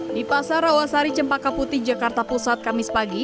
di pasar rawasari cempaka putih jakarta pusat kamis pagi